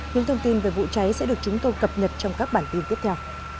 những thông tin về vụ cháy sẽ được chúng tôi cập nhật trong các bản tin tiếp theo